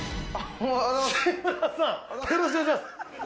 よろしくお願いします！